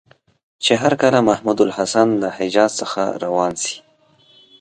چې هرکله محمودالحسن له حجاز څخه روان شي.